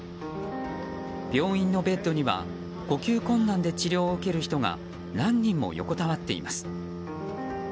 病院のベッドには呼吸困難で治療を受ける人が何人も横たわっています。